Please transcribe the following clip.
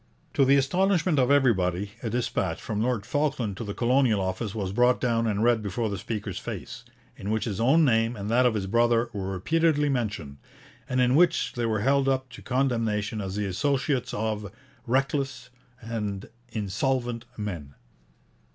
To the astonishment of everybody, a dispatch from Lord Falkland to the Colonial Office was brought down and read before the speaker's face, in which his own name and that of his brother were repeatedly mentioned, and in which they were held up to condemnation as the associates of 'reckless' and 'insolvent' men.